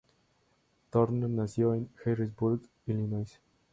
Turner nació en Harrisburg, Illinois.